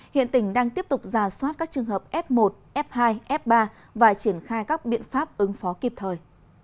hiện tỉnh đang tiếp tục giả soát các trường hợp f một f hai f ba và triển khai các biện pháp ứng phó kịp thời